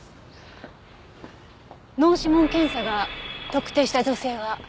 脳指紋検査が特定した女性は？